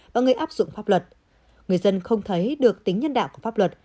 và người áp dụng pháp luật người dân không thấy được tính nhân đạo của pháp luật